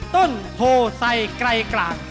ต้นโพไซไกรกลาง